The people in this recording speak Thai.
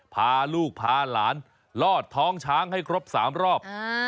พาลูกพาหลานลอดท้องช้างให้ครบ๓รอบ